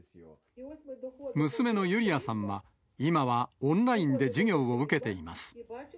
娘のユリヤさんは、今はオンラインで授業を受けています。